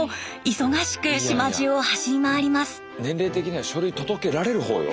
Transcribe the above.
年齢的には書類届けられるほうよ。